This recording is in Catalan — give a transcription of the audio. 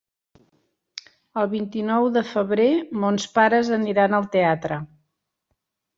El vint-i-nou de febrer mons pares aniran al teatre.